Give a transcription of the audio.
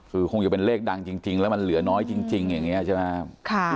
คือคงจะเป็นเลขดังจริงแล้วมันเหลือน้อยจริงอย่างนี้ใช่ไหมครับ